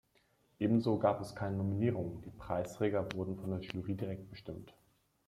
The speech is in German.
Ebenso gab es keine Nominierungen; die Preisträger wurden von der Jury direkt bestimmt.